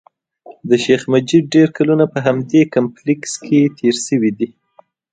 د شیخ مجید ډېر کلونه په همدې کمپلېکس کې تېر شوي دي.